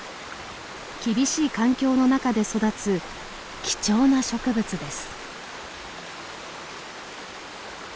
厳しい環境の中で育つ貴重な植物です。